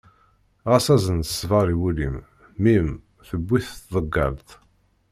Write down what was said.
Ɣas azen-d ṣṣber i wul-im, mmi-m tewwi-t tḍeggalt.